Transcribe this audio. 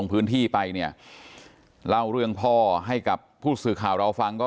พื้นที่ไปเนี่ยเล่าเรื่องพ่อให้กับผู้สื่อข่าวเราฟังก็